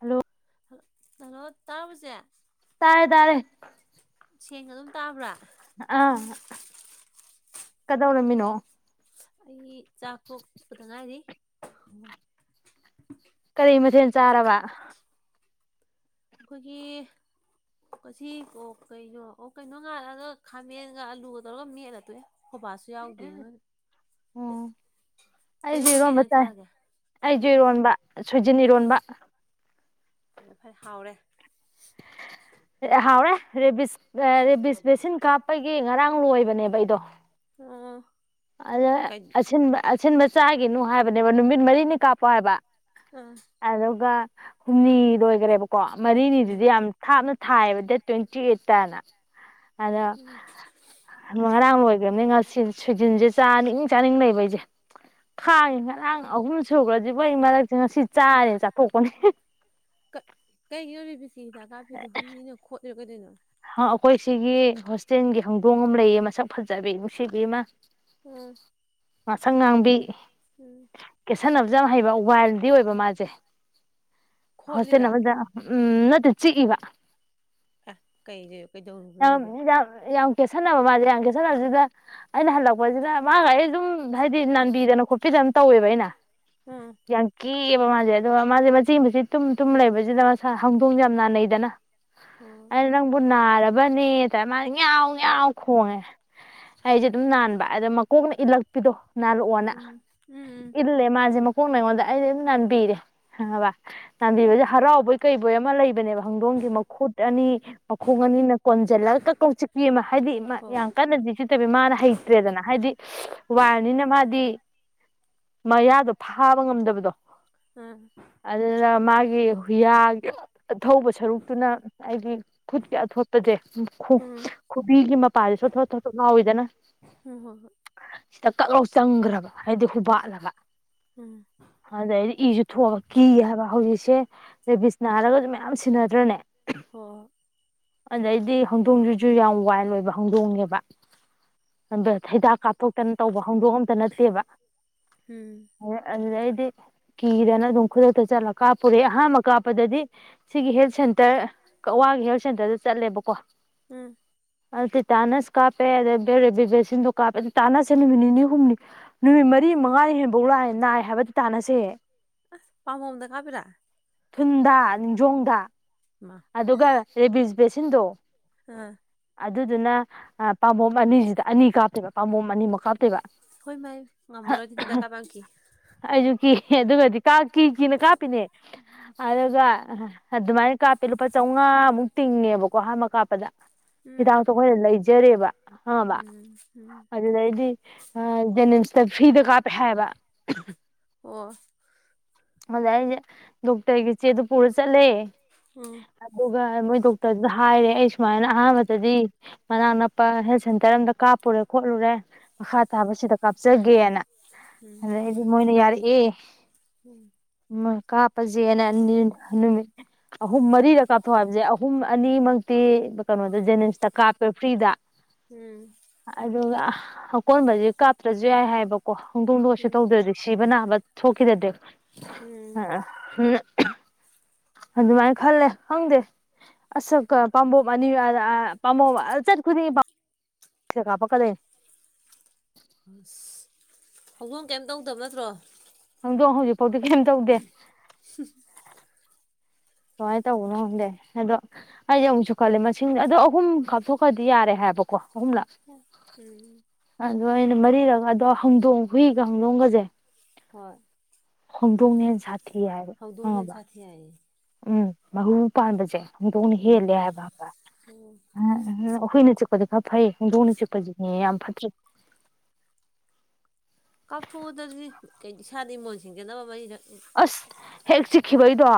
hello hello ꯇꯥꯕꯔꯣ ꯆꯦ ꯇꯥꯔꯦ ꯇꯥꯔꯦ ꯁꯦꯡꯒ ꯑꯗꯨꯝ ꯇꯥꯕ꯭ꯔꯥ ꯑꯥ ꯀꯗꯧꯔꯝꯃꯤꯅꯣ ꯑꯩ ꯆꯥꯛ ꯇꯣꯛꯄꯗ ꯉꯥꯏꯔꯤ [inaudible] ꯀꯔꯤ ꯃꯊꯦꯟ ꯆꯔꯕ ꯑꯩꯈꯣꯏꯒꯤ ꯀꯁꯤ ꯀꯣꯛ ꯀꯩꯅꯣ ꯑꯣ ꯀꯩꯅꯣ ꯉꯥꯜꯂꯛꯑꯒ ꯈꯥꯃꯦꯟꯒ ꯑꯂꯨꯒ ꯇꯧꯔ ꯃꯦꯠꯂꯒꯥ ꯇꯣꯛ ꯑꯥ ꯑꯣ ꯆꯦ ꯑꯩꯁꯨ ꯅꯣꯏꯗꯤ ꯀꯩ ꯏꯔꯣꯟꯝꯕ ꯏꯟꯖꯥꯡ ꯇꯥꯏ ꯆꯥꯔꯒꯦ ꯑꯩꯁꯨ ꯑꯣ ꯏꯔꯣꯟꯝꯕ ꯁꯣꯏꯖꯟ ꯏꯔꯣꯟꯕ [unintelligible] ꯍꯥꯎꯔꯦ ꯍꯥꯎꯔꯦ ꯔꯦꯕꯤꯁ ꯔꯦꯕꯤꯁ ꯚꯦꯁꯤꯟ ꯀꯥꯞꯄꯒꯤ ꯉꯔꯥꯡ ꯂꯣꯏꯕꯅꯦꯕ ꯑꯩꯗꯣ ꯑꯣ ꯑꯗ ꯀꯩ ꯑꯁꯤꯟꯕꯥ ꯑꯁꯤꯟꯕ ꯆꯥꯒꯤꯅꯨ ꯍꯥꯏꯕꯅꯦꯕ ꯅꯨꯃꯤꯠ ꯃꯔꯤꯅꯤ ꯀꯥꯞꯄꯣ ꯍꯥꯏꯕ ꯑꯥ ꯑꯗꯨꯒ ꯍꯨꯝꯃꯤ ꯑꯣꯒꯔꯦ ꯀꯣ ꯃꯔꯤꯅꯤꯗꯨꯗꯤ ꯎꯝ ꯌꯥꯝ ꯊꯥꯞꯅ ꯊꯥꯏꯕ ꯗꯦꯠ ꯇ꯭ꯋꯦꯟꯇꯤ ꯑꯩꯠꯇꯅ ꯑꯗꯣ ꯎꯝ ꯉꯔꯥꯡ ꯂꯣꯏꯈ꯭ꯔꯅꯤꯟ ꯉ ꯁꯤꯜꯁ ꯖꯤꯟꯁꯦ ꯆꯥꯅꯤꯡ ꯆꯥꯅꯤꯡ ꯂꯩꯕ ꯑꯩꯁꯦ ꯈꯥꯡꯉꯤ ꯉꯔꯥꯡ ꯑꯍꯨꯝ ꯁꯨꯈ꯭ꯔꯗꯤ ꯑꯩ ꯃꯔꯛꯠ ꯉꯁꯤ ꯆꯥꯔꯦ ꯆꯥꯊꯣꯛꯄꯅꯦ ꯀꯤ ꯍꯤꯗꯥꯛ ꯀꯞꯤꯗꯨ ꯍꯨꯏꯅ ꯈꯣꯠ ꯄꯤꯔꯛꯑꯗꯣꯏꯅꯣ ꯑꯩꯈꯣꯏ ꯁꯤꯒꯤ ꯍꯣꯁꯇꯦꯜꯒꯤ ꯍꯧꯗꯣꯡ ꯑꯃ ꯂꯩꯌꯦ ꯃꯁꯛ ꯐꯖꯕꯤ ꯅꯨꯡꯁꯤꯕꯤ ꯑꯃ ꯎꯝ ꯉꯁꯪ ꯉꯥꯡꯕꯤ ꯎꯝ ꯀꯦꯁꯟꯕꯤ [unintelligible] ꯌꯥꯝ ꯍꯩꯕ ꯋꯥꯏꯜꯗꯤ ꯑꯣꯏꯕ ꯃꯥꯁꯦ ꯍꯣꯁꯇꯦꯂ ꯈꯣꯠꯂꯤꯔꯥ ꯑꯃꯗ ꯎꯝ ꯅꯠꯇꯦ ꯆꯤꯛꯏꯕ ꯑ ꯀꯩꯩ ꯌꯥꯝ ꯀꯩꯗꯧꯔꯨꯒꯗꯗꯤꯦ ꯌꯥꯝ ꯌꯥꯝ ꯀꯦꯠꯁꯟꯅꯕ ꯃꯥꯜꯁꯦ ꯌꯥꯝ ꯀꯦꯠꯁꯟꯅꯁꯤꯗ ꯑꯩꯅ ꯍꯜꯂꯛꯄꯁꯤꯗ ꯃꯥꯒ ꯑꯗꯨꯝ ꯍꯥꯏꯗꯤ ꯅꯥꯟꯕꯤꯗꯅ ꯈꯣꯠꯄꯤꯗꯅ ꯇꯧꯋꯦꯕ ꯑꯩꯅ ꯎꯝ [inaudible] ꯌꯥꯪꯀꯤ ꯆꯦꯛꯑꯕ ꯃꯥꯁꯦ ꯑꯗꯨꯒ ꯃꯥꯁꯦ ꯃꯆꯦ ꯃꯁꯦ ꯇꯨꯝ ꯇꯨꯝ ꯂꯩꯕꯁꯤꯗ ꯃꯁꯥ ꯍꯗꯣꯡ ꯌꯥꯝ ꯅꯥꯅꯩꯗꯅ ꯑꯣ ꯅꯥꯔꯕꯅꯦꯇꯥ ꯃꯥꯅ ꯏꯎ ꯌꯥꯎ ꯈꯣꯡꯉꯦ ꯑꯩꯁꯦ ꯑꯗꯨꯝ ꯅꯥꯟꯕ ꯑꯗ ꯃꯀꯣꯛꯅ ꯏꯜꯂꯛꯄꯤꯗꯣ ꯅꯜꯨ ꯋꯥꯅ ꯎꯝ ꯎꯝ ꯏꯂꯦ ꯃꯥꯁꯦ ꯃ ꯍꯣꯟ ꯑꯩꯉꯣꯟꯗ ꯑꯩꯗꯤ ꯑꯗꯨꯝ ꯅꯟꯕꯤꯔꯦꯕ ꯎꯝ ꯆꯥꯟꯕꯦ ꯍꯔꯥꯎꯑꯣꯕ ꯀꯩ ꯕꯣꯏ ꯑꯃ ꯂꯩꯕꯅꯦꯕ ꯍꯧꯪꯗꯣꯡꯒꯤ ꯃꯈꯨꯠ ꯑꯅꯤ ꯃꯈꯣꯡ ꯑꯅꯤꯅ ꯀꯣꯟꯁꯤꯜꯂꯒ ꯀꯛꯧ ꯆꯤꯛꯄꯤ ꯑꯃ ꯍꯥꯏꯗꯤ ꯍꯣꯏ ꯌꯥꯝ ꯀꯟꯅꯗꯤ ꯆꯤꯠꯇꯕꯤ ꯃꯥꯅ ꯍꯩꯇ꯭ꯔꯦꯗꯅ ꯍꯥꯏꯗꯤ ꯋꯥꯔꯅꯤꯅ ꯃꯥꯗꯤ ꯃꯌꯥꯗꯣ ꯐꯥꯕ ꯉꯝꯗꯕꯗꯣ ꯎꯝ ꯑꯗꯨꯅ ꯃꯥꯒꯤ ꯍꯨꯌꯥꯒꯤ ꯑ ꯊꯧꯕ ꯁꯔꯨꯛꯇꯨꯅ ꯍꯥꯏꯗꯤ ꯈꯨꯠ ꯀ ꯑꯊꯣꯠꯄꯁꯦ ꯎꯝ ꯈꯨꯕꯤꯒꯤ ꯃꯄꯥꯁꯤꯁꯨꯊꯠꯣ ꯉꯥꯎꯋꯤꯗꯅ ꯎꯝ ꯍꯣꯏ ꯍꯣꯏ ꯁꯤꯗ ꯀꯛꯂꯥꯎ ꯆꯪꯈ꯭ꯔꯕ ꯍꯥꯏꯗꯤ ꯍꯨꯕꯥꯠꯂꯒ ꯎꯝ ꯑꯗꯩꯗꯤ ꯏꯁꯨ ꯊꯣꯛꯑꯒ ꯀꯤꯒ ꯍꯥꯏꯕ ꯍꯧꯖꯤꯛ ꯏꯁꯦ ꯔꯦꯕꯤꯁꯅ ꯍꯥꯏꯔꯒꯁꯨ ꯃꯌꯥꯝ ꯁꯤꯟꯅꯗ꯭ꯔꯅꯦ ꯍ ꯑꯗꯩꯗꯤ ꯍꯧꯗꯣꯡꯁꯤꯁꯨ ꯌꯥꯝ ꯋꯥꯏꯜ ꯑꯣꯏꯕ ꯍꯧꯗꯣꯡꯉꯦꯕ ꯑ ꯍꯩꯗꯥꯛ ꯀꯥꯞꯊꯣꯛꯇꯅ ꯇꯧꯕ ꯍꯧꯗꯣꯛ ꯑꯝꯇ ꯅꯠꯇꯦꯕ ꯎꯝ ꯑꯗꯨꯗꯩ ꯀꯤꯗꯅ ꯑꯗꯨꯝ ꯈꯨꯗꯛꯇ ꯆꯠꯂ ꯀꯥꯞꯄꯨꯔꯦ ꯑꯍꯥꯟꯕ ꯀꯥꯞꯄꯗꯗꯤ ꯁꯤꯒꯤ ꯍꯦꯜꯊ ꯁꯦꯟꯇꯔ ꯀꯛꯋꯥꯒꯤ ꯍꯔ ꯁꯦꯟꯇꯔꯗ ꯆꯠꯂꯦꯕꯀꯣ ꯎꯝ ꯑꯗꯨ ꯇ ꯇꯥꯟꯅꯁ ꯀꯥꯞꯄꯦ ꯑꯗ ꯔꯦꯕꯤ ꯕꯦꯛꯁꯤꯟꯗꯣ ꯀꯥꯞꯄꯦ ꯑꯗꯨ ꯇꯥꯟꯅꯁꯦ ꯅꯨꯃꯤꯠ ꯅꯤꯅꯤ ꯍꯨꯝꯅꯤ ꯅꯨꯃꯤꯠ ꯃꯔꯤ ꯃꯉꯥꯅꯤ ꯍꯦꯟꯐꯧ ꯂꯥꯛꯑꯦ ꯅꯥꯏ ꯍꯥꯏꯕꯗꯤ ꯇꯥꯅꯁꯦ ꯄꯥꯝꯕꯣꯝꯗ ꯀꯥꯞꯄꯤꯔꯥ ꯊꯨꯟꯗꯥ ꯅꯤꯡꯖꯣꯡꯗ ꯏꯃꯥ ꯑꯗꯨꯒ ꯔꯦꯁ ꯕꯁꯤꯤꯟꯗꯣ ꯍꯥꯥ ꯑꯗꯨꯗꯨꯅ ꯄꯥꯝꯕꯣꯝ ꯑꯅꯤꯁꯤꯗ ꯑꯅꯤ ꯀꯥꯞꯇꯦꯕ ꯄꯥꯝꯕꯣꯝ ꯑꯅꯤꯃꯨꯛ ꯀꯥꯞꯇꯦꯕ ꯍꯣꯏ ꯃꯥꯏ ꯉꯃꯔ ꯑꯣꯏ ꯊꯁꯤꯗ ꯀꯥ ꯄꯀꯤ ꯍ ꯑꯗꯨꯕꯗꯤ ꯀꯥ ꯀꯤ ꯀꯤꯅ ꯀꯥꯞꯄꯤꯅꯦ ꯑꯗꯨꯒ ꯍ ꯃꯥꯅꯤ ꯀꯄ ꯑꯩ ꯂꯨꯄꯥ ꯆꯥꯝꯉꯥꯃꯨꯛ ꯇꯤꯡꯉꯦꯕꯀꯣ ꯑꯍꯥꯟꯕ ꯀꯥꯞꯄꯗ ꯎꯝ ꯍꯤꯗꯥꯛꯇꯈꯣꯏꯅ ꯂꯩꯖꯔꯦꯕ ꯑꯕ ꯎꯝ ꯎꯝ ꯑꯗꯨꯗꯩꯗꯤ ꯖꯦꯅꯤꯁ ꯐ꯭ꯔꯤꯗ ꯀꯥꯞꯄꯦ ꯍꯥꯏꯕ ꯑꯣ ꯑꯖꯥꯏ ꯑꯩꯁꯦ ꯗꯣꯛꯇꯔꯒꯤ ꯆꯦ ꯑꯗꯨ ꯄꯨꯔ ꯆꯠꯂꯦ ꯎꯝ ꯑꯗꯨꯒ ꯃꯣꯏ ꯗꯣꯛꯇꯔꯗꯨꯗ ꯍꯥꯏꯔꯦ ꯑꯩ ꯁꯨꯃꯥꯏꯅ ꯑꯍꯥꯟꯕꯗꯗꯤ ꯃꯅꯥꯛ ꯅꯛꯄ ꯍꯦꯜ ꯁꯦꯟꯇꯔ ꯑꯃꯗ ꯀꯥꯞꯄꯨꯔꯦ ꯈꯣꯠꯂꯨꯔꯦ ꯃꯈꯥ ꯇꯥꯕꯁꯤꯗ ꯀꯥꯞꯆꯒꯦꯅ ꯎꯝ ꯑꯗꯩꯗꯤ ꯃꯣꯏꯅ ꯌꯥꯔꯤ ꯑꯦ ꯍꯟ ꯀꯥꯞꯄꯁꯦꯅ ꯅꯨꯃꯤꯠ ꯑꯍꯨꯝ ꯃꯔꯤꯗ ꯀꯥꯞꯊꯣꯛ ꯍꯥꯏꯕꯁꯦ ꯑꯍꯨꯝ ꯑꯅꯤꯃꯛꯇꯤ ꯀꯩꯅꯣꯗ ꯖꯦꯅꯤꯝꯁꯇ ꯀꯥꯞꯄꯦ ꯐ꯭ꯔꯤꯗ ꯎꯝ ꯑꯗꯨꯒ ꯑꯀꯣꯟꯕꯁꯦ ꯀꯥꯞꯇ꯭ꯔꯁꯨ ꯌꯥꯏ ꯍꯥꯏꯕꯀꯣ ꯀꯣ ꯍꯣꯡꯗꯣꯡꯗꯣ ꯀꯩꯁꯨ ꯎꯝ ꯇꯧꯗ꯭ꯔꯗꯤ ꯁꯤꯕ ꯅꯥꯕ ꯊꯣꯛ ꯈꯤꯗꯔ꯭ꯗꯤ ꯑ ꯎꯝ ꯑꯗꯨꯃꯥꯏꯅ ꯈꯜꯂꯦ ꯈꯪꯗꯦ ꯑꯁꯛꯀ ꯄꯥꯝꯕꯣꯞ ꯑꯅꯤ ꯄꯥꯝꯕꯣꯞ ꯆꯠ ꯈꯨꯗꯤꯡꯒꯤ ꯀꯥꯄ ꯀ ꯗꯣꯏꯅꯤ ꯑꯁ ꯍꯧꯗꯣꯡ ꯀꯩꯝ ꯇꯧꯗꯕ ꯅꯠꯇ꯭ꯔꯣ ꯍꯧꯗꯣꯡ ꯍꯧꯖꯤꯛ ꯐꯥꯎꯗꯤ ꯀꯩꯁꯨꯝ ꯇꯧꯗꯦ ꯀꯨꯃꯥꯏꯅ ꯇꯧꯕꯅꯣ ꯈꯪꯗꯦ ꯑꯗꯣ ꯑꯩꯁꯨ ꯑꯃꯨꯛꯁꯨ ꯈꯜꯂꯦ ꯃꯁꯤꯡ ꯑꯗꯣ ꯑꯍꯨꯝ ꯀꯥꯞꯊꯣꯛꯈ꯭ꯔꯗꯤ ꯌꯥꯔꯦ ꯍꯥꯏꯕꯀꯣ ꯀꯣ ꯑꯍꯨꯝ ꯂꯥꯛ ꯎꯝ ꯑꯗꯣ ꯑꯩꯅ ꯃꯔꯤꯛ ꯑꯗꯣ ꯍꯧꯗꯣꯡ ꯍꯨꯏꯒ ꯍꯧꯗꯣꯡꯒꯁꯦ ꯍꯣꯏ ꯍꯧꯗꯣꯡꯅ ꯍꯦꯟꯁꯊꯤ ꯍꯧꯗꯣꯡꯅ ꯍꯦꯟ ꯁꯥꯊꯤ ꯍꯥꯏꯌꯦ ꯎꯝ ꯃꯍꯨ ꯄꯥꯟꯕꯁꯦ ꯍꯧꯗꯣꯡ ꯅ ꯍꯦꯜꯂꯦ ꯎꯝ ꯍꯥꯏꯕ ꯑꯣ ꯍꯨꯏꯅ ꯆꯤꯛ ꯐꯕꯗꯤ ꯈꯔ ꯐꯩ ꯍꯧꯗꯣꯡꯅ ꯆꯤꯛ ꯆꯤꯛꯄ ꯁꯤꯅꯦ ꯌꯥꯝ ꯐꯠꯇ꯭ꯔꯤ ꯀꯥꯊꯣꯞ ꯎꯗ ꯑꯗꯨꯗꯤ ꯏꯁꯥꯗ ꯏꯃꯣꯟ ꯁꯤꯡꯖꯅꯕ ꯃꯔꯤꯔꯛ ꯑꯁ ꯍꯦꯛ ꯆꯤꯛꯈꯤꯕꯩꯗꯣ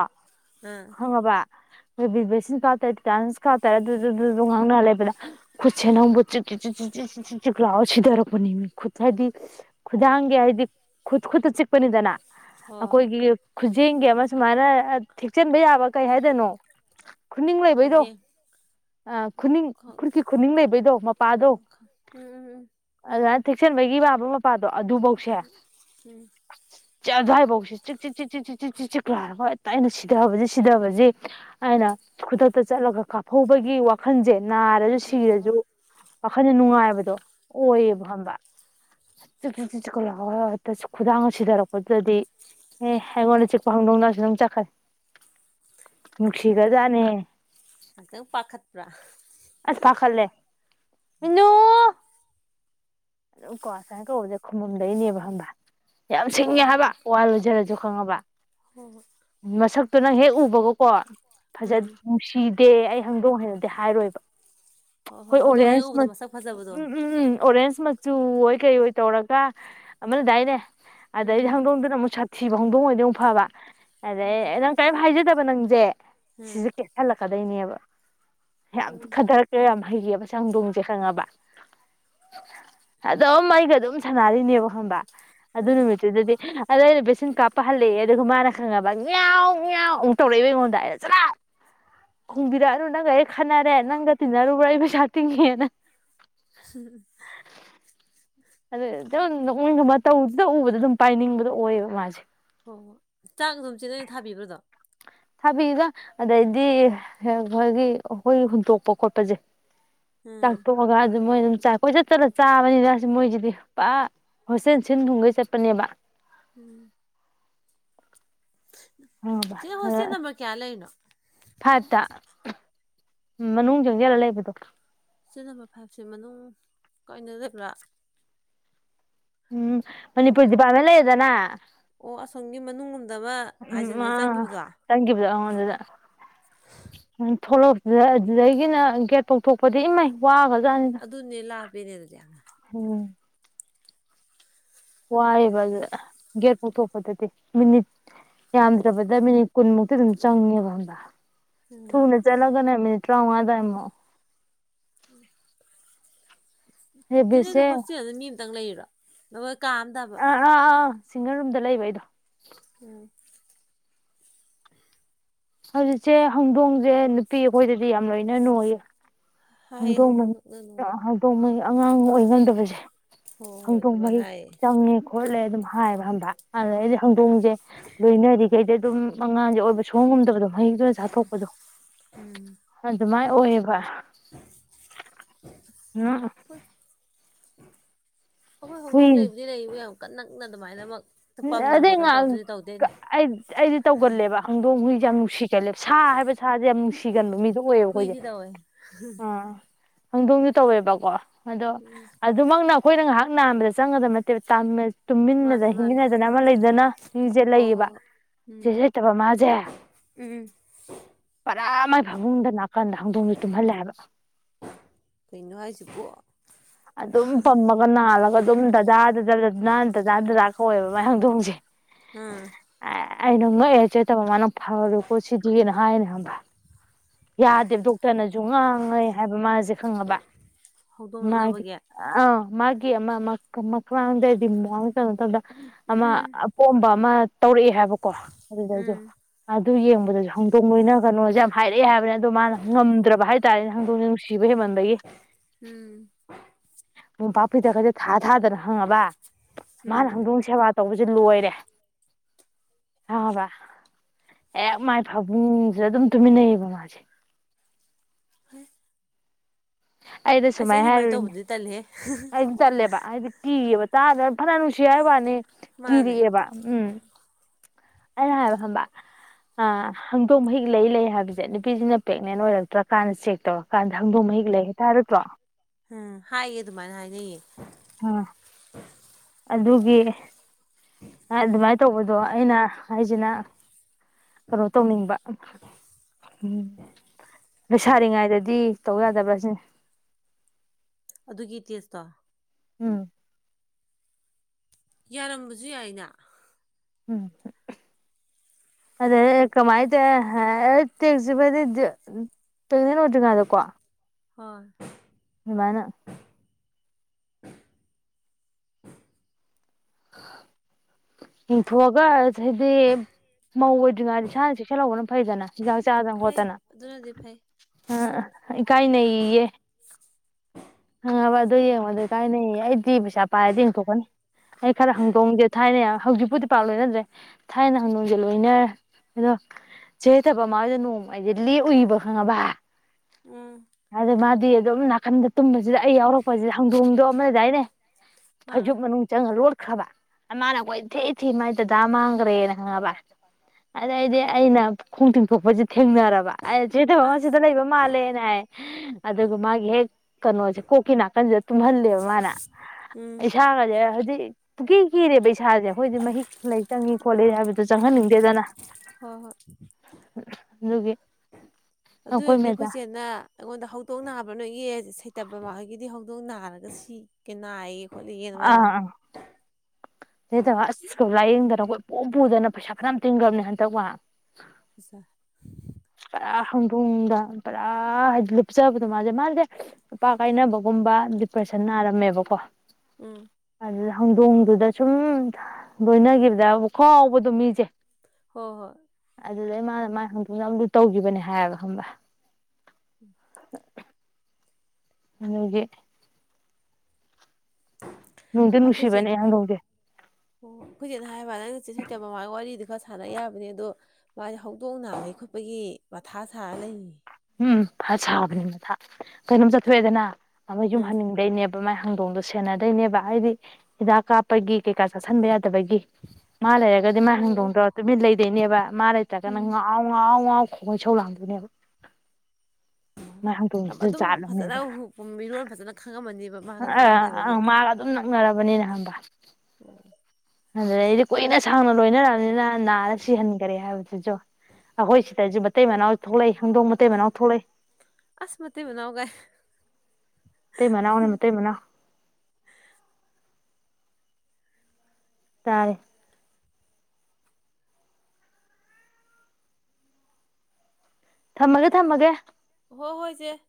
ꯑꯥ ꯈꯪꯉꯕ ꯑꯩꯈꯣꯏ ꯕꯤ ꯀꯔꯦꯗꯥ ꯀꯥꯎ ꯇꯔꯦ ꯑꯗꯨ ꯂ ꯉꯥꯡꯅ ꯂꯩꯕꯗ ꯈꯨꯠꯁꯦ ꯅꯪꯕꯨ ꯆꯤꯛꯂꯥꯛꯑꯣ ꯁꯤꯊꯔꯛꯄꯅꯤ ꯈꯨꯠ ꯍꯥꯏꯗꯤ ꯈꯨꯗꯥꯡꯒꯤ ꯍꯥꯏꯗꯤ ꯈꯨꯠ ꯈꯨꯠꯇ ꯆꯤꯛꯄꯅꯤꯗꯅ ꯍꯣꯏ ꯑꯈꯣꯏꯒꯤ ꯈꯨꯖꯦꯡꯒꯤ ꯑꯃ ꯁꯨꯃꯥꯏꯅ ꯊꯦꯛꯆꯟꯕ ꯌꯥꯕ ꯀꯩ ꯍꯥꯏꯗꯦꯅꯣ ꯈꯨꯅꯤꯡ ꯂꯩꯕꯩꯗꯣ ꯈꯨꯖꯦꯡ ꯑꯥ ꯈꯨꯅꯤꯡ ꯈꯪ ꯈꯨꯨꯔꯀꯤꯤ ꯈꯨꯅꯤꯡ ꯂꯩꯕꯩꯗꯣ ꯃꯄꯥꯗꯣ ꯈꯪ ꯎꯝ ꯑꯗꯨ ꯊꯦꯛꯁꯟꯕꯒꯤ ꯏꯕ ꯃꯄꯥꯗꯣ ꯑꯗꯨꯐꯧꯁꯦ ꯎꯝ ꯌꯥꯕꯧ ꯆ ꯆꯤꯛ ꯆꯤꯛ ꯆꯤꯛ ꯆꯤꯛ ꯆꯤꯛ ꯆꯤꯛ ꯆꯤꯛ ꯆꯤꯛꯥꯒ ꯍꯦꯛꯇ ꯑꯩꯅ ꯁꯤꯊꯕꯁꯦ ꯁꯤꯊꯁꯦ ꯑꯩꯅ ꯈꯨꯗꯛꯇ ꯆꯠꯂꯒ ꯀꯥꯞꯍꯧꯕꯒꯤ ꯋꯥꯈꯜꯁꯦ ꯅꯥꯔꯁꯨ ꯎꯝ ꯎꯝ ꯍꯣꯏ ꯍꯣꯏ ꯁꯤꯔꯁꯨ ꯍꯣꯏ ꯋꯥꯈꯜꯗ ꯅꯨꯡꯉꯥꯏꯕ ꯗꯣ ꯎꯝ ꯑꯣꯌꯦꯕꯝꯕ ꯆ ꯆꯤꯂꯑꯣ ꯈꯨꯗꯥꯡ ꯁꯤꯊꯔꯛꯄꯗꯨꯗꯗꯤ ꯑꯦ ꯍꯉꯣꯟꯅ ꯆꯤꯄ ꯍꯪꯗꯣꯡꯅꯁꯤꯅꯝ ꯆꯠꯈꯦ ꯃꯪ ꯃꯊꯪ ꯄꯥꯈꯠꯄ꯭ꯔꯥ ꯑꯁ ꯐꯥ ꯈꯜꯦ ꯏ ꯀꯁ ꯀꯕꯨꯗ ꯃꯗꯅꯤꯕ ꯍꯝꯕ ꯌꯥꯝ ꯁꯤꯡꯉꯦ ꯍꯥꯏꯕ ꯎꯝ ꯋꯥ ꯂꯣꯏꯖꯔꯁꯨ ꯈꯪꯉꯕ ꯍꯣꯏ ꯍꯣꯏ ꯃꯁꯛꯇꯨ ꯅꯪ ꯍꯦꯛ ꯎꯕꯒꯀꯣ ꯐꯖ ꯎꯝ ꯅꯨꯡꯁꯤ ꯗꯦ ꯑꯩ ꯍꯪꯗꯣꯡ ꯍꯥꯏꯅꯗꯤ ꯍꯥꯏꯔꯣꯏꯕ ꯍꯣꯏ ꯍꯧꯗꯣꯡ ꯍꯦꯛ ꯑꯣꯔꯦꯟꯖ ꯎꯕꯗ ꯎꯝ ꯃꯁꯛ ꯐꯖꯕꯗꯣ ꯎꯝ ꯎꯝ ꯑꯣꯔꯦꯟ ꯆꯨ ꯑꯣꯏ ꯀꯩ ꯑꯣꯏ ꯇꯧꯔꯒ ꯑꯃꯅꯗꯥꯏꯅꯦ ꯑꯗꯩꯗ ꯎꯝ ꯍꯪ ꯅ ꯆꯠ ꯊꯤꯕ ꯍꯣꯡꯗꯣꯡ ꯑꯣꯏꯗꯤꯨ ꯐꯕ ꯑꯗꯦ ꯎꯝ ꯅꯪ ꯇꯥꯏꯝ ꯍ ꯍꯥꯏꯖꯗ ꯕ ꯅꯪꯖꯦ ꯎꯝ ꯁꯤꯖ ꯀꯦꯁꯂ ꯀ ꯂꯩ ꯂꯩꯅꯦꯕ ꯌꯥ ꯎꯝ ꯐꯗꯔꯛꯀꯦ ꯌꯥꯝ ꯍꯩꯒ ꯑꯃ ꯆꯪꯗꯣꯡꯁꯦ ꯈꯪꯉꯕ ꯑꯗꯨꯝ ꯑꯩꯒ ꯑꯗꯨꯝ ꯁꯥꯟꯅꯔꯤꯅꯦꯕ ꯈꯪꯕ ꯑꯗꯨ ꯎꯝ ꯅꯨꯃꯤꯠꯇꯗꯤ ꯑꯗ ꯑꯩꯅ ꯚꯦꯛꯁꯤꯟ ꯀꯥꯞꯄ ꯍꯜꯂꯛꯑꯦ ꯑꯗꯨꯒ ꯃꯥꯅ ꯈꯪꯉꯕ ꯉꯌꯥꯥꯎ ꯉꯌꯥꯥꯎ ꯑꯃꯨꯛ ꯇꯧꯔꯛꯏꯕ ꯑꯩꯉꯣꯟꯗ ꯑꯖꯔꯥꯛ ꯈꯣꯡꯕꯤꯔꯛꯑꯅꯨ ꯅꯪꯒ ꯑꯩ ꯈꯟꯅꯔꯦ ꯅꯪꯒꯇꯤꯟ ꯅꯔꯨꯕ ꯁꯥꯇꯤꯡꯦꯅ ꯑ ꯇꯧꯗꯨꯗ ꯎꯕꯗ ꯑꯗꯨꯝ ꯄꯥꯏꯅꯤꯡꯕꯗꯣ ꯑꯣꯏꯌꯦꯕ ꯃꯥꯁꯦ ꯍ ꯍꯣ ꯆꯥꯛ ꯑꯗꯨꯝ ꯆꯤꯂꯩꯅ ꯊꯥꯕꯤꯕ꯭ꯔꯥꯗꯣ ꯊꯥꯕꯤꯒ ꯑꯗꯩꯗꯤ ꯑꯩꯣꯏꯒꯤ ꯑꯩꯈꯣꯏ ꯍꯨꯟꯇꯣꯛꯄ ꯈꯣꯠꯄꯁꯦ ꯎꯝ ꯆꯥꯛꯄꯣ ꯑꯣꯒ ꯑꯗꯨ ꯃꯣꯏ ꯑꯗꯨꯝ ꯀꯣꯏꯆꯠ ꯆꯠꯂ ꯆꯥꯕꯅꯤꯅ ꯁꯤ ꯃꯣꯏꯁꯤꯗꯤ ꯄꯨ ꯍꯣꯁꯇꯦꯜ ꯁꯤꯟ ꯊꯨꯝꯈꯩ ꯆꯠꯄꯅꯦꯕ ꯎꯝ ꯁꯤ ꯍꯣꯁꯇꯦꯜ ꯅꯝꯕꯔ ꯀꯌꯥ ꯂꯩꯔꯤꯅꯣ ꯐꯠꯇ ꯃꯅꯨꯡ ꯆꯪꯁꯤꯦꯜꯂ ꯂꯩꯕꯗꯣ ꯁꯤ ꯅꯝꯕꯔ ꯐꯥꯏꯚꯁ ꯃꯅꯨꯡ ꯀꯏꯅ ꯂꯩꯕ꯭ꯔꯥ ꯎꯝ ꯀꯩ ꯃꯅꯤꯄꯨꯔ ꯗꯤꯄꯥꯔꯠꯃꯦꯟ ꯂꯩꯔꯦꯗꯅ ꯑꯣ ꯑꯁꯣꯝꯒꯤ ꯃꯅꯨꯡ ꯂꯣꯝꯗ ꯑꯃ ꯎꯝ ꯍꯥꯏꯖꯤꯟꯂ ꯑ ꯆꯪꯈꯤꯕꯗꯣ ꯆꯪꯈꯤꯕꯗꯣ ꯑꯩꯉꯣꯟꯗꯨꯗ ꯎꯝ ꯊꯣꯛꯂꯛꯄꯗ ꯑꯗꯨꯗꯒꯤꯅ ꯇꯧꯊꯣꯛꯄꯗꯤ ꯏꯃꯩ ꯋꯥꯒꯖꯅꯤꯗ ꯑꯗꯨꯅꯦ ꯂꯥꯞꯄꯦꯅꯦ ꯑꯗꯨꯗꯤ ꯌꯥꯝꯅ ꯎꯝ ꯋꯥꯏꯑꯦꯕ ꯑꯗꯨꯗ ꯒꯦꯠ ꯄꯨꯧꯊꯣꯛꯄꯗꯗꯤ ꯃꯤꯅꯤꯠ ꯌꯥꯝꯗ꯭ꯔꯕꯗ ꯃꯤꯅꯤꯠ ꯀꯨꯟꯃꯨꯛꯇꯤ ꯑꯗꯨꯝ ꯆꯪꯉꯦꯕ ꯑꯗ ꯎꯝ ꯊꯅꯦ ꯆ ꯂꯒꯅ ꯃ ꯄꯨꯠꯇ꯭ꯔ ꯋꯥ ꯇ ꯏꯃ ꯎꯝ ꯆꯦꯅꯦꯗ ꯔꯦꯕꯤꯁꯁꯦ ꯍꯣꯁꯇꯦꯜꯗ ꯃꯤ ꯑꯃꯇꯪ ꯂꯩꯔꯣ ꯅꯈꯣꯏ ꯀꯥꯑꯝ ꯇꯕ ꯑꯥ ꯑꯥ ꯑꯥ ꯁꯤꯡꯒꯜ ꯔꯨꯝꯗ ꯂꯩꯕ ꯑꯩꯗꯣ ꯍꯧꯖꯤꯛꯁꯦ ꯍꯧꯗꯣꯡꯁꯦ ꯅꯨꯄꯤ ꯑꯩꯈꯣꯏꯗꯗꯤ ꯌꯥꯝ ꯂꯣꯏꯅ ꯅꯣꯏꯌꯦ ꯍꯥꯏꯌꯦ ꯍꯧꯗꯣꯡ ꯃꯍ ꯅꯛꯅꯅꯣꯅ ꯍꯧꯗꯣꯡ ꯃꯍꯩ ꯑꯉꯥꯡ ꯑꯣꯏ ꯉꯝꯗꯕꯁꯦ ꯍꯣꯏ ꯍꯣꯏ ꯍꯧꯗꯣꯡ ꯑꯗꯨꯃꯥꯏꯅ ꯃꯍꯤ ꯍꯥꯏꯌꯦ ꯆꯪꯉꯦ ꯈꯣꯠꯂꯦ ꯑꯗꯨꯝ ꯍꯥꯏꯕ ꯍꯝꯕ ꯑꯗꯨꯗ ꯑꯩꯁ ꯍꯧꯗꯣꯡꯁꯦ ꯂꯣꯏꯅꯗꯤ ꯀꯗꯤꯩ ꯑꯗꯨꯝ ꯃꯉꯥꯡꯁꯦ ꯑꯣꯏꯕ ꯁꯣꯡ ꯉꯝꯗꯕꯗꯣ ꯃꯍꯤꯛꯇꯨꯅ ꯆꯥꯊꯣꯛꯄꯗꯣ ꯎꯝ ꯑꯗꯨꯃꯥꯏꯅ ꯑꯣꯏꯌꯦꯕ ꯎꯝ ꯑꯩꯈꯣꯏ ꯍꯨꯏ ꯍꯧꯗꯣꯡ ꯂꯩꯕꯨꯗꯤ ꯂꯩꯌꯦꯕ ꯌꯥ ꯌꯥꯝ ꯑꯀ ꯅꯛꯅ ꯑꯗꯨꯃꯥꯏꯅꯃꯛ ꯄꯝꯗꯅ ꯑꯗꯩ ꯈꯣꯠꯇꯅ ꯇꯧ ꯉꯍꯥꯛ ꯑꯗꯨꯗꯤ ꯇꯧꯗꯦ ꯑꯩꯗꯤ ꯑꯩꯗꯤ ꯇꯧꯒꯜꯂꯦꯕ ꯍꯪꯗꯣꯡ ꯍꯖꯤꯛꯁꯦ ꯌꯥꯝ ꯅꯨꯡꯁꯤꯒꯜꯂꯦꯕ ꯁꯥ ꯍꯥꯏꯕ ꯁꯥꯁꯦ ꯌꯥꯝ ꯅꯨꯡꯁꯤꯒꯟꯕ ꯃꯤꯗꯣ ꯑꯣꯏꯌꯦꯕ ꯑꯩꯈꯣꯏꯁꯦ ꯍꯨꯏꯗꯤ ꯇꯧꯋꯦ ꯑꯥ ꯍꯪꯗꯣꯡꯁꯨ ꯇꯧꯋꯦꯕꯀꯣ ꯑꯗꯣ ꯎꯝ ꯑꯗꯨꯃꯛꯅ ꯍꯣꯏꯅ ꯉꯥꯏꯍꯥꯛ ꯅꯥꯝꯕꯗ ꯆꯪꯒꯗꯕ ꯅꯠꯇꯦꯕ ꯇꯃꯤꯟꯅꯗ ꯃꯥꯅꯦ ꯃꯥꯅꯦ ꯍꯤꯡꯃꯤꯟꯅꯗꯅ ꯑꯃ ꯂꯩꯗꯅ ꯃꯤꯁꯦ ꯍꯣꯏ ꯍꯣꯏ ꯂꯩꯌꯦꯕ ꯍꯣꯏ ꯁꯤꯦ ꯎꯝ ꯂꯩꯇꯕ ꯃꯥꯁꯦ ꯎꯝ ꯄꯔꯥ ꯃꯥꯏ ꯐꯕꯨꯡꯗ ꯅꯥꯀꯟꯗ ꯍꯧꯗꯣꯡꯁꯨꯦ ꯇꯨꯝꯍꯜꯂꯦꯕ ꯀꯩꯅꯣ ꯍꯥꯏꯁꯤꯕꯣ ꯑꯗꯨꯝ ꯄꯝꯃꯒ ꯅꯥꯜꯂꯒ ꯑꯗꯨꯝ ꯗꯗꯥ ꯗꯗꯥ ꯗꯅ ꯗꯗꯥ ꯗꯗꯥ ꯃꯗꯣꯡꯁꯦ ꯑꯥ ꯑꯩꯅ ꯉꯛꯑꯦ ꯆꯦꯠꯇꯕ ꯃꯥꯅ ꯐꯔꯨꯀꯣ ꯁꯤꯗꯤ ꯀꯅ ꯍꯥꯏꯅꯦ ꯍꯕ ꯌꯥꯗꯦꯕ ꯗꯣꯛꯇꯔꯅꯁꯨ ꯉꯥꯡꯉꯩ ꯍꯥꯏꯕ ꯃꯥꯁꯦ ꯈꯪꯉꯕ ꯍꯧꯗꯣꯡ ꯃꯥꯒꯤ ꯅꯛꯅꯕꯒꯤ ꯑ ꯃꯥꯒꯤ ꯑꯃ ꯃ ꯃ ꯀꯗꯗꯤ ꯃ ꯀ ꯑꯃ ꯎꯝ ꯑꯄꯣꯝꯕ ꯑꯃ ꯇꯧꯔꯛꯑꯦ ꯍꯥꯏꯕꯀꯣ ꯑꯗꯨꯗꯁꯨ ꯎꯝ ꯑꯗꯨ ꯌꯦꯡꯕꯗꯁꯨ ꯍꯣꯡꯗꯣꯛ ꯂꯣꯏꯅ ꯀꯩꯅꯣꯁꯦ ꯌꯥꯝ ꯍꯥꯏꯔꯛꯑꯦ ꯍꯥꯏꯕꯅꯤ ꯑꯗꯣ ꯃꯥꯅ ꯉꯝꯗ꯭ꯔꯕ ꯍꯥꯏꯇꯥꯔꯦꯅꯦ ꯍꯪꯗꯣꯡꯁꯦ ꯅꯨꯡꯁꯤꯕ ꯍꯦꯟꯃꯟꯕꯒꯤ ꯎꯝ ꯅꯣꯄꯥꯛꯄꯤꯗꯈꯩꯗ ꯊꯥ ꯊꯥꯗꯅ ꯍꯪꯉꯕ ꯎꯝ ꯃꯥꯅ ꯁꯪꯗꯣꯡ ꯁꯦꯕꯥ ꯇꯧꯕꯁꯦ ꯂꯣꯏꯔꯦ ꯍꯥꯕ ꯍꯦꯛ ꯃꯥꯏ ꯐꯕꯨꯡꯁ ꯑꯗꯨꯝ ꯇꯨꯃꯤꯟꯅꯩꯌꯦꯕ ꯃꯥꯁꯦ ꯍ ꯑꯩꯗ ꯁꯨꯃꯥꯏꯅ ꯍꯥꯏꯔꯨꯔꯤꯅꯦ ꯇꯧꯕꯗꯨꯗꯤ ꯇꯜꯂꯦꯍꯦ ꯑꯩꯗꯤ ꯆꯠꯂꯦꯕ ꯍꯥꯏꯗꯤ ꯀꯤꯕ ꯇꯥꯗ ꯐꯅꯅꯅꯨꯡꯁꯤꯌꯥ ꯋꯥꯅꯤ ꯃꯥꯅꯦ ꯀꯔꯤꯌꯦꯕ ꯎꯝ ꯑꯩꯅ ꯍꯥꯏꯕ ꯈꯪꯕ ꯑ ꯎꯝ ꯍꯪꯗꯣꯩ ꯃꯥꯍꯤꯛ ꯛ ꯂꯩ ꯍꯥꯏꯕꯁꯦ ꯅꯨꯄꯤꯁꯤꯅ ꯄ꯭ꯔꯦꯒꯅꯦꯟ ꯑꯣꯏꯔꯛꯇ꯭ꯔꯀꯥꯟꯗ ꯆꯦꯛ ꯇꯧꯔꯀꯥꯟꯗ ꯍꯪꯗꯣꯡ ꯃꯍꯤꯛ ꯂꯩ ꯇꯔꯛꯇ꯭ꯔꯣ ꯎꯝ ꯍꯥꯏꯌꯦ ꯑꯗꯨꯃꯥꯏꯅ ꯍꯥꯏꯅꯩꯌꯦ ꯑꯥ ꯑꯗꯨꯒꯤ ꯑꯗꯨ ꯃꯥ ꯇꯧꯕꯗꯣ ꯑꯩꯅ ꯍꯥꯏꯁꯤꯅ ꯀꯩꯅꯣ ꯇꯧꯅꯤꯡꯕ ꯎꯝ ꯂꯩꯣꯏꯁꯥꯔꯤꯉꯥꯏꯗꯗꯤ ꯇꯧ ꯌꯥꯗꯕ꯭ꯔꯥ ꯁꯤꯅꯤ ꯑꯗꯨꯒꯤ ꯇꯦꯁꯇꯣ ꯎꯝ ꯌꯥꯔꯝꯕꯁꯨ ꯌꯥꯏꯅ ꯎꯝ ꯑꯗ ꯀꯃꯥꯏ ꯇ ꯍꯥꯏꯦꯛꯁꯤꯕ ꯇꯗꯅ ꯑꯣꯏꯔꯉ ꯑꯗꯀꯣ ꯍꯣꯏ ꯃꯥꯅ ꯌꯦꯡꯊꯣꯛꯑꯒ ꯍꯥꯏꯗꯤ ꯃꯧ ꯑꯣꯏꯗ꯭ꯔꯤꯉꯥꯗꯤ ꯏꯁꯥꯅ ꯆꯦꯛꯁꯤꯜꯍꯧꯕꯅ ꯐꯩꯗꯅ ꯁꯤꯗ ꯆꯥꯗꯪ ꯐꯩ ꯈꯣꯠꯇꯅ ꯑꯗꯨꯅꯗꯤ ꯐꯩ ꯑ ꯏꯀꯥꯏꯅꯩꯌꯦ ꯍꯪꯉꯕ ꯑꯗꯨ ꯌꯦꯡꯉꯣꯗ ꯏꯀꯥꯏꯅꯩꯌꯦ ꯑꯩꯗꯤ ꯄꯩꯁꯥ ꯄꯥꯏꯔꯗꯤ ꯌꯦꯡꯊꯣꯛꯀꯅꯤ ꯑꯩ ꯈꯔ ꯍꯥꯡꯗꯣꯡꯁꯦ ꯊꯥꯏꯅ ꯍꯧꯖꯤꯛꯄꯨꯗꯤ ꯄꯥꯛ ꯂꯣꯏꯅꯗ꯭ꯔꯦ ꯊꯥꯏꯅ ꯍꯥꯡꯗꯣꯡꯁꯦ ꯂꯣꯏꯅꯔꯦ ꯑꯗꯣ ꯆꯦꯊꯕ ꯃꯥꯣꯏꯗ ꯅꯣꯡꯃ ꯑꯩꯗꯤꯦ ꯂꯦꯛ ꯎꯏꯕ ꯈꯪꯉꯕ ꯎꯝ ꯑꯗꯨꯣꯝ ꯅꯥꯀꯟꯗ ꯇꯨꯝ ꯁꯤꯗ ꯑꯩ ꯌꯥꯎꯔꯛꯄꯁꯤ ꯍꯧꯪꯗꯣꯡꯗꯣ ꯅꯣꯏꯗꯥꯏꯅꯦ ꯑꯥ ꯐꯥꯌꯨꯝ ꯃꯅꯨ ꯂꯣꯠꯈ꯭ꯔꯕ ꯃꯥꯅ ꯑꯩꯈꯣꯏ ꯏꯊꯦ ꯏ ꯊꯤ ꯃꯥꯏꯗꯗꯥ ꯃꯥꯡꯈ꯭ꯔꯦꯅ ꯈꯪꯉꯕ ꯑꯗ ꯏꯗꯦ ꯑꯅ ꯈꯣꯡꯇꯤꯟ ꯐꯕ ꯊꯦꯡꯅꯔꯕ ꯑ ꯆꯦꯊꯕ ꯑꯁ ꯑꯃꯁꯤꯗ ꯂꯩꯕ ꯃꯥꯜꯂꯦꯅ ꯍꯥꯏ ꯑꯗꯨꯒ ꯃꯥꯒꯤ ꯍꯦꯛ ꯀꯩꯅꯣꯁꯦ ꯀꯣꯛꯀꯤ ꯅꯥꯀꯟꯁꯤꯗ ꯇꯨꯝꯍꯜꯂꯦꯕ ꯃꯥꯅ ꯎꯝ ꯏꯁꯥꯒꯁꯦ ꯒꯤ ꯀꯔꯦ ꯩ ꯏꯁꯥꯁꯦ ꯑꯩꯈꯣꯏꯗꯤ ꯃꯍꯤ ꯂꯩꯇꯪꯉꯤ ꯈꯣꯠꯂꯦ ꯍꯥꯏꯕꯗꯨꯣ ꯆꯪꯍꯟꯅꯤꯡꯗꯦꯗꯅ ꯍꯣꯏ ꯍꯣꯏ ꯑꯗꯨꯒꯤ ꯑꯩꯈꯣꯏ ꯑꯗꯨꯏꯕꯅꯤ ꯃꯦꯗꯥ ꯑꯩꯈꯣꯏꯁꯦꯠꯅ ꯑꯩꯉꯣꯟꯗ ꯍꯧꯗꯣꯡꯅꯕ ꯅꯣ ꯌꯦ ꯁꯩꯇꯕ ꯃꯈꯣꯏꯒꯤꯗꯤ ꯍꯧꯗꯣꯡ ꯅꯥꯔꯒ ꯁꯤꯒ ꯅꯥꯏꯌꯦ ꯍꯜꯂꯤ ꯌꯦꯅ ꯃꯥꯅꯦ ꯅꯇꯕ ꯑꯁꯀ ꯂꯥꯏꯌꯦꯡꯗꯅꯈꯣꯏ ꯏ ꯄꯣꯝ ꯄꯨꯗꯅ ꯄꯩꯁꯥ ꯈꯔ ꯇꯤꯡꯈ꯭ꯔꯕꯅꯦ ꯍꯟꯗꯛ ꯋꯥ ꯑꯁꯥ ꯇꯔꯥ ꯍꯪ ꯊꯣꯡꯗꯔ ꯑ ꯍꯥꯏꯗꯤ ꯂꯨꯞꯆꯕꯗꯣ ꯃꯥꯁꯦ ꯃꯥꯁꯦ ꯅꯨꯨꯄꯥ ꯀꯥꯏꯅꯕꯒꯨꯝꯕ ꯗꯤꯄ꯭ꯔꯦꯁꯟ ꯅꯥꯔꯝꯃꯦꯕꯀꯣ ꯎꯝ ꯑꯗꯨꯗ ꯍꯧꯗꯣꯡꯗꯨꯗ ꯁꯨꯝ ꯂꯣꯏꯅꯈꯤꯕꯗ ꯈꯥꯎꯕꯗꯣ ꯃꯤꯁꯦ ꯍꯣꯏ ꯍꯣꯏ ꯑꯗꯨꯗꯩ ꯃꯥ ꯃꯥ ꯪꯗꯨ ꯇꯧꯈꯤꯕꯅꯦ ꯍꯥꯏꯔꯒ ꯈꯪꯕ ꯎꯝ ꯅꯦ ꯅꯨꯡꯗꯤ ꯑꯩꯈꯣꯏꯁꯦ ꯅꯨꯡꯁꯤꯕꯅꯦ ꯍꯧꯗꯣꯡꯁꯦ ꯑꯣ ꯑꯩꯈꯣꯏꯁꯦꯠ ꯍꯥꯏꯕ ꯅꯪꯅꯆꯦ ꯁꯩꯇꯕ ꯃꯃꯥꯒꯤ ꯋꯥꯔꯤꯗꯨ ꯈ ꯁꯥꯟꯅ ꯌꯥꯕꯅꯤ ꯑꯗꯣ ꯃꯥꯁꯦ ꯍꯧꯗꯣꯡꯅ ꯂꯩ ꯈꯣꯠꯄꯒꯤ ꯃꯊꯥ ꯁꯥꯔ ꯂꯩꯌꯦ ꯎꯝ ꯐ ꯁꯥꯕꯅꯤ ꯃꯊꯥ ꯀꯩꯅꯣꯝ ꯆꯠꯊꯣꯛꯑꯦꯗꯅ ꯑꯃ ꯎꯝ ꯌꯨꯝꯍꯟꯅꯤꯡꯗꯩꯅꯦꯕ ꯃꯥ ꯈꯥꯡꯗꯣꯡꯗꯣ ꯁꯦꯟꯅꯗꯣꯏꯅꯦꯕ ꯑꯩꯗꯤ ꯍꯤꯗꯥꯛ ꯀꯥꯞꯄꯒꯤ ꯀꯩꯀꯥ ꯆꯥꯁꯤꯟꯕ ꯌꯥꯗ ꯕꯒꯤ ꯃꯥ ꯂꯩꯔꯒꯗꯤ ꯃꯥ ꯑꯣ ꯑꯣ ꯍꯪꯗꯣꯡꯗ꯭ꯔꯣ ꯇ ꯂꯩ ꯇꯩꯅꯕ ꯃꯥꯔꯦ ꯇ ꯀ ꯅꯪ ꯎꯝ ꯈꯉꯩ ꯁꯧ ꯂꯥꯡꯗꯨꯣꯏꯅꯦꯕ ꯎ ꯑꯗꯨꯝ ꯖꯥꯠ ꯐꯖꯅ ꯑꯃꯅꯦꯕ ꯃꯤꯔꯣꯟ ꯐꯖꯅ ꯈꯪꯉꯝꯃꯅꯦꯕ ꯃꯥꯒ ꯑ ꯅꯛꯅꯕ ꯑ ꯂꯩꯕꯒꯤ ꯃꯥꯒ ꯑꯗꯨꯝ ꯅꯛꯅꯔꯕꯅꯤꯅ ꯍꯝꯕ ꯑꯗꯨꯗꯩꯗꯤ ꯀꯨꯏꯅ ꯁꯥꯡꯅ ꯂꯣꯏꯅꯔꯛꯔꯕꯅꯤꯅ ꯅꯥꯔ ꯁꯤꯍꯟꯈꯔꯦ ꯍꯥꯏꯕꯗꯨꯁꯨ ꯑꯧꯈꯣꯏ ꯁꯤꯗꯁꯨ ꯃꯇꯩ ꯃꯅꯥꯎ ꯊꯣꯛꯂꯛꯏ ꯍꯪꯗꯣꯡ ꯃꯇꯩ ꯃꯅꯥꯎ ꯊꯣꯛꯂꯛꯏ ꯑꯁ ꯃꯇꯩ ꯃꯅꯥꯎ ꯒꯥꯏꯌꯦ ꯃꯇꯩ ꯃꯅꯥꯎꯅꯦ ꯃꯇꯩ ꯃꯅꯥꯎ ꯇꯥꯏꯌꯦ ꯊꯝꯃꯒꯦ ꯊꯝꯃꯒꯦ ꯍꯣꯏ ꯍꯣꯏ ꯆꯦ